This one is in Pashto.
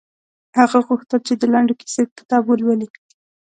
هغه غوښتل چې د لنډو کیسو کتاب ولولي